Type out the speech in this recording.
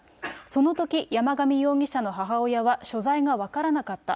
そのとき、山上容疑者の母親は所在が分からなかった。